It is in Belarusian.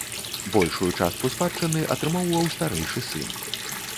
Большую частку спадчыны атрымоўваў старэйшы сын.